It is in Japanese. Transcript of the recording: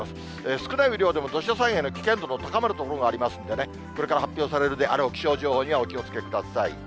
少ない雨量でも、土砂災害の危険度の高まる所がありますんでね、これから発表されるであろう気象情報にはお気をつけください。